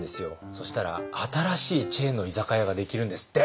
そしたら新しいチェーンの居酒屋ができるんですって。